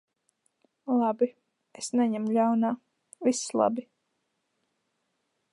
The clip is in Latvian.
Labi. Es neņemu ļaunā. Viss labi.